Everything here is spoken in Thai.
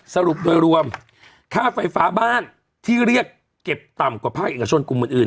สรุปโดยรวมค่าไฟฟ้าบ้านที่เรียกเก็บต่ำกว่าภาคเอกชนกลุ่มอื่น